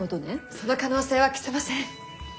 その可能性は消せません。